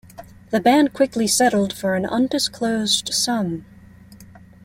The band quickly settled for an undisclosed sum.